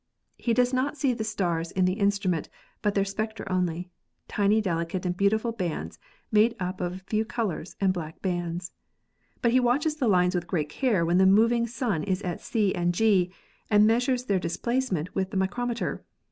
He does not see the stars in the instrument, but their spectra only — tiny delicate and beautiful bands made up of a few colors and black bands. But he watches the lines with great care when the moving sun is at C and G and meas ures their displacement with the micrometer.